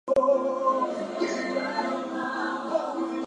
In fact Baba Hasan tried to win Dutch support to reestablish Jailolo.